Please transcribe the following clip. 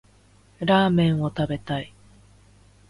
ラーメンを食べたい